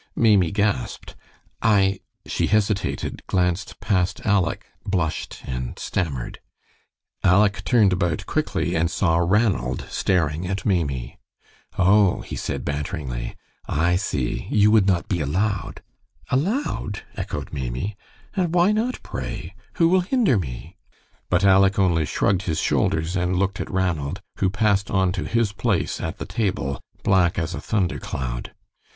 Maimie gasped. "I " she hesitated, glanced past Aleck, blushed, and stammered. Aleck turned about quickly and saw Ranald staring at Maimie. "Oh," he said, banteringly, "I see. You would not be allowed." "Allowed!" echoed Maimie. "And why not, pray? Who will hinder me?" But Aleck only shrugged his shoulders and looked at Ranald, who passed on to his place at the table, black as a thunder cloud.